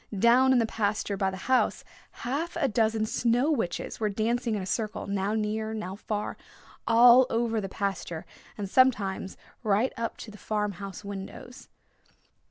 Down in the pasture by the house half a dozen Snow Witches were dancing in a circle, now near, now far, all over the pasture, and sometimes right up to the farm house windows.